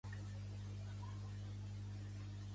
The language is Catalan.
Va ser fundador de la Casa d'Espanya a Mèxic.